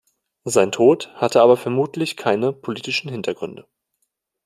Sein Tod hatte aber vermutlich keine politischen Hintergründe.